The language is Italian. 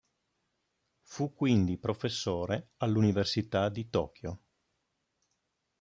Fu quindi professore all'Università di Tokyo.